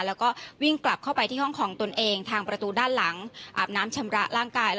แล้วก็วิ่งกลับเข้าไปที่ห้องของตนเองทางประตูด้านหลังอาบน้ำชำระร่างกาย